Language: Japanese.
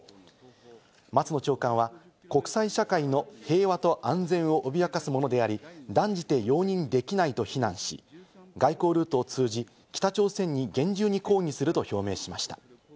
松野長官は国際社会の平和と安全を脅やかすものであり、断じて容認できないと非難し、外交ルートを通じ、北朝鮮に厳重に抗議すると表明しました。